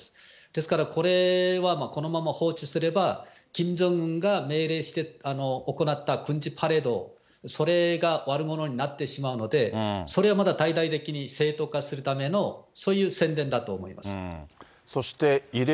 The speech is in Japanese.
ですからこれ、このまま放置すれば、キム・ジョンウンが命令して行った軍事パレード、それが悪者になってしまうので、それはまだ大々的に正当化するためのそういう宣伝だと思います。